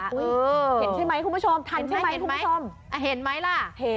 เห็นใช่ไหมคุณผู้ชมเห็นไหมละ